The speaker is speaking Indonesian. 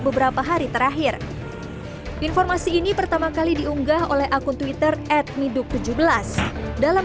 beberapa hari terakhir informasi ini pertama kali diunggah oleh akun twitter at miduk tujuh belas dalam